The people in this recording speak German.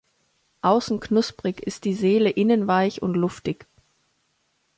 Außen knusprig, ist die Seele innen weich und luftig.